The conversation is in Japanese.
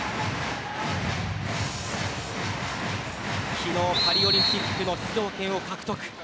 昨日パリオリンピックの出場権を獲得。